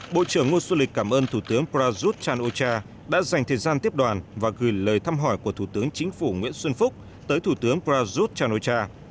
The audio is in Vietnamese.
bộ trưởng ngô xuân lịch cảm ơn thủ tướng prajut chan o cha đã dành thời gian tiếp đoàn và gửi lời thăm hỏi của thủ tướng chính phủ nguyễn xuân phúc tới thủ tướng prajut chan o cha